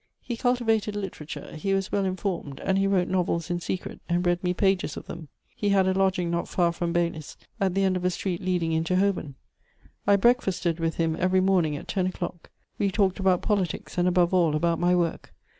He cultivated literature, he was well informed, and he wrote novels in secret and read me pages of them. He had a lodging not far from Baylis, at the end of a street leading into Holborn. I breakfasted with him every morning at ten o'clock; we talked about politics and above all about my work.